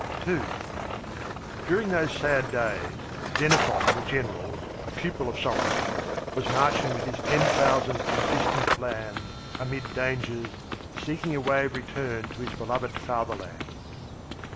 II During those sad days Xenophon, the general, a pupil of Socrates, was marching with his Ten Thousand in a distant land, amid dangers, seeking a way of return to his beloved fatherland.